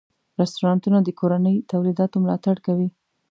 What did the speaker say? رستورانتونه د کورني تولیداتو ملاتړ کوي.